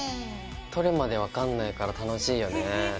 取るまで分かんないから楽しいよね。